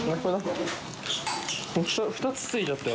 欧ついちゃったよ？